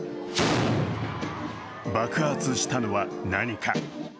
爆発したのは何か。